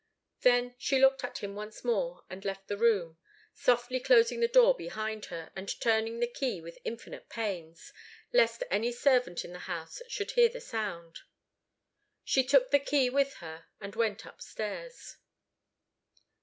Then she looked at him once more and left the room, softly closing the door behind her, and turning the key with infinite pains, lest any servant in the house should hear the sound. She took the key with her and went upstairs.